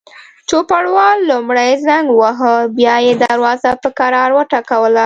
چوپړوال لومړی زنګ وواهه، بیا یې دروازه په کراره وټکوله.